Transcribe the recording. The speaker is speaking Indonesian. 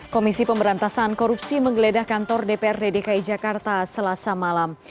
komisi pemberantasan korupsi menggeledah kantor dprd dki jakarta selasa malam